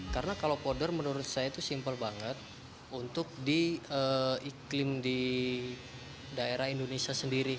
karena kalau powder menurut saya itu simpel banget untuk diiklim di daerah indonesia sendiri